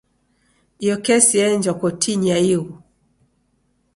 Iyo kesi yeenjwa kotinyi ya ighu.